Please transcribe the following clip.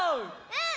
うん！